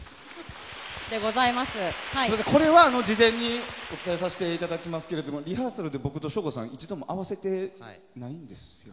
これは事前にお伝えさせていただきますけれどもリハーサルで僕と省吾さん一度も合わせてないんですよ。